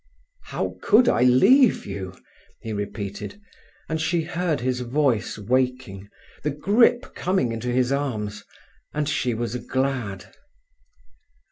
"How could I leave you?" he repeated, and she heard his voice waking, the grip coming into his arms, and she was glad.